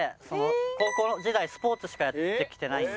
高校時代スポーツしかやってきてないんで。